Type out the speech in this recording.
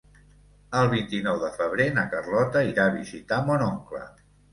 El vint-i-nou de febrer na Carlota irà a visitar mon oncle.